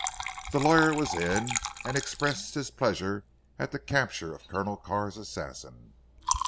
The lawyer was in, and expressed his pleasure at the capture of Colonel Carr's assassin.